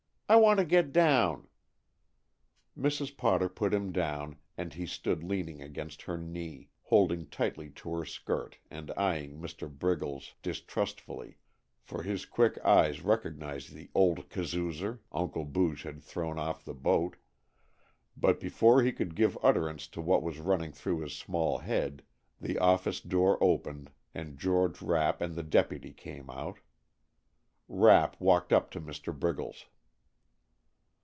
I want to get down." Mrs. Potter put him down and he stood leaning against her knee, holding tightly to her skirt and eyeing Mr. Briggles distrustfully, for his quick eyes recognized the "old kazoozer" Uncle Booge had thrown off the boat, but before he could give utterance to what was running through his small head, the office door opened and George Rapp and the deputy came out. Rapp walked up to Mr. Briggles.